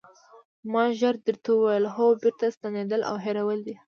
ما ژر درته وویل: هو بېرته ستنېدل او هېرول دي.